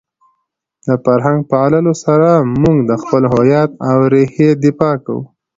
د فرهنګ په پاللو سره موږ د خپل هویت او رېښې دفاع کوو.